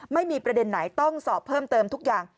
ไม่มีประเด็นไหนต้องสอบเพิ่มเติมทุกอย่าง